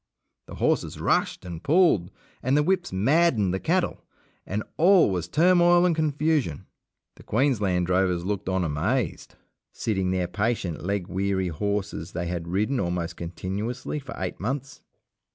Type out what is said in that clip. The horses rushed and pulled, and the whips maddened the cattle, and all was turmoil and confusion. The Queensland drovers looked on amazed, sitting their patient leg weary horses they had ridden almost continuously for eight months.